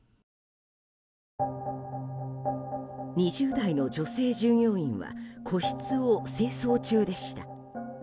２０代の女性従業員は個室を清掃中でした。